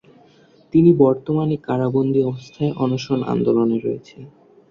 তিনি বর্তমানে কারাবন্দী অবস্থায় অনশন আন্দোলনে রয়েছেন।